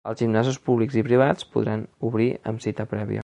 Els gimnasos públics i privats podran obrir amb cita prèvia.